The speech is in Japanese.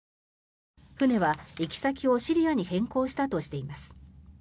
船は、行き先をシリアに変更したとしています。